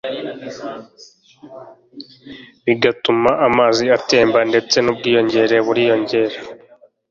bigatuma amazi atemba ndetse n'ubwiyongere buriyongera